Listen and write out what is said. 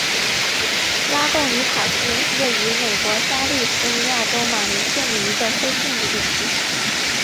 拉贡尼塔斯是位于美国加利福尼亚州马林县的一个非建制地区。